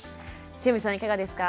汐見さんいかがですか？